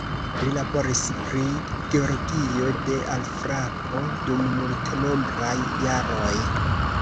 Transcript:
Li laboris pri geologio de alfrapo dum multenombraj jaroj.